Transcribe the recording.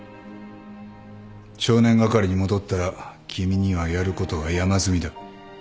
少年係に戻ったら君にはやることが山積みだ。